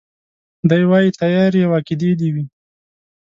دی وايي تيارې او عقيدې دي وي